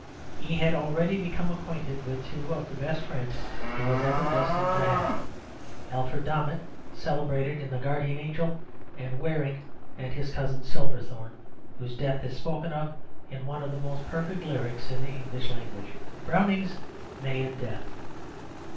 He had already become acquainted with two of the best friends he was ever destined to have, Alfred Domett, celebrated in "The Guardian Angel" and "Waring," and his cousin Silverthorne, whose death is spoken of in one of the most perfect lyrics in the English language, Browning's "May and Death."